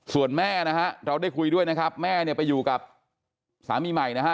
ส่วนแม่นะฮะเราได้คุยด้วยนะครับแม่เนี่ยไปอยู่กับสามีใหม่นะฮะ